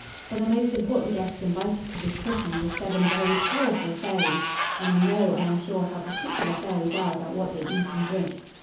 For the most important guests invited to this christening were seven very powerful fairies, and you know, I am sure, how particular fairies are about what they eat and drink.